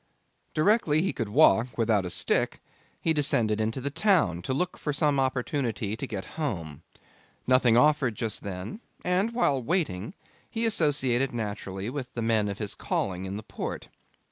Directly he could walk without a stick, he descended into the town to look for some opportunity to get home. Nothing offered just then, and, while waiting, he associated naturally with the men of his calling in the port.